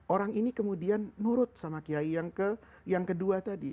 orang ini kemudian nurut sama kiai yang kedua tadi